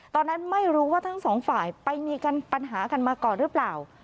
ตอนนั้นไม่รู้ว่าทั้งสองฝ่ายไปมีปัญหากันมาก่อนหรือเปล่า